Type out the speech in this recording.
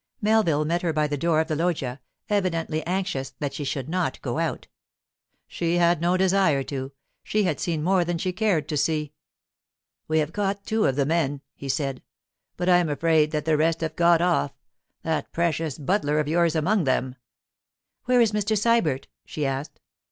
Melville met her by the door of the loggia, evidently anxious that she should not go out. She had no desire to; she had seen more than she cared to see. 'We have caught two of the men,' he said; 'but I am afraid that the rest have got off—that precious butler of yours among them.' 'Where is Mr. Sybert?' she asked.